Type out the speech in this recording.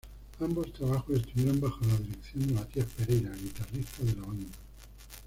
Ambos trabajos estuvieron bajo la dirección de Matias Pereira, guitarrista de la banda.